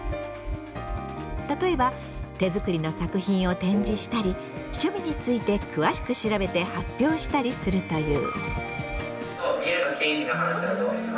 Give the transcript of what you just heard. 例えば手作りの作品を展示したり趣味について詳しく調べて発表したりするという。